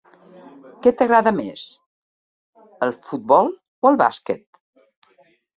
Què t'agrada més, el futbol o el bàsquet?